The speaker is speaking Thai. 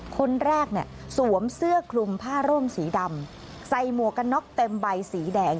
คนแรกเนี่ยสวมเสื้อคลุมผ้าร่มสีดำใส่หมวกกันน็อกเต็มใบสีแดง